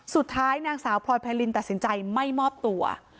นางสาวพลอยไพรินตัดสินใจไม่มอบตัว